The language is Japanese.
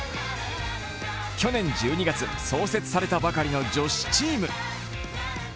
去年１２月創設されたばかりの女子チーム。